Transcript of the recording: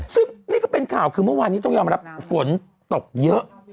ซึ่งนี่ก็เป็นข่าวคือเมื่อวานนี้ต้องยอมรับฝนตกเยอะ